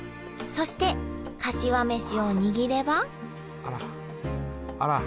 そしてかしわ飯を握ればあらあらあら。